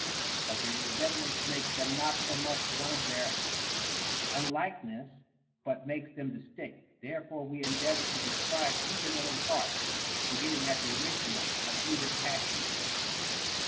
But their resemblances make them not so much one as their unlike ness makes them distinct. Therefore we endeavor to describe each of them apart, beginning at the original of either passion.